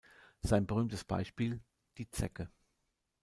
Sein berühmtes Beispiel: die Zecke.